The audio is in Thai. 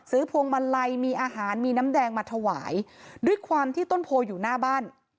พวงมาลัยมีอาหารมีน้ำแดงมาถวายด้วยความที่ต้นโพอยู่หน้าบ้าน